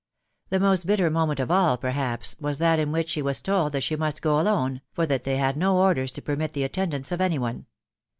The most bitter moment of all, perhaps, was that in which she was told that she must go alone, for that they had no orders to permit the attendance of any one.